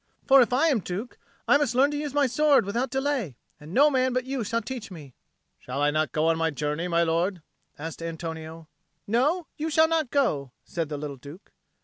For if I am Duke, I must learn to use my sword without delay, and no man but you shall teach me." "Shall I not go on my journey, my lord?" asked Antonio. "No, you shall not go," said the little Duke.